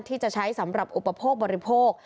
ที่จะใช้สำหรับอุปโภคบริโภค